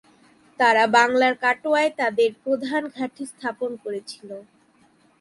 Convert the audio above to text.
তারা বাংলার কাটোয়ায় তাদের প্রধান ঘাঁটি স্থাপন করেছিল।